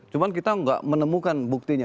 cuman kita tidak menemukan buktinya